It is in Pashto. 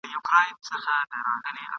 غل د پیشي درب څخه ھم بېرېږي !.